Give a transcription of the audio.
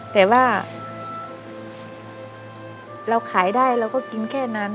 แต่ว่าเราขายได้เราก็กินแค่นั้น